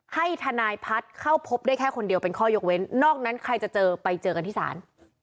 ให้ทนายพัฒน์เข้าพบได้แค่คนเดียวเป็นข้อยกเว้นนอกนั้นใครจะเจอไปเจอกันที่ศาล